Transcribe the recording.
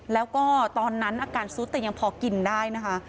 แล้วก็ตอนนั้นอาการซุดแต่ยังพอกินได้นะคะ